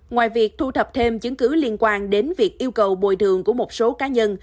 ngoài việc thu thập thêm chứng cứ liên quan đến việc yêu cầu bồi thường của một số cá nhân